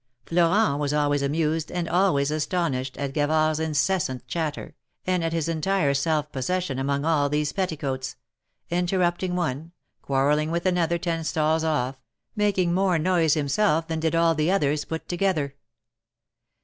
Florent was always amused and always astonished, at Gavard's incessant chatter, and at his entire self possession among all these petticoats — interrupting one, quarrelling with another ten stalls ofP, making more noise himself, than did all the others put together.